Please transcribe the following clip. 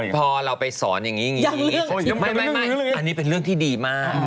พอเราไปสอนอย่างนี้อย่างนี้ไม่อันนี้เป็นเรื่องที่ดีมาก